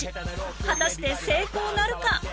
果たして成功なるか？